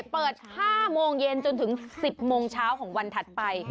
เปิด๕โมงเย็นจนถึง๑๐โมงเช้าของวันถัดไป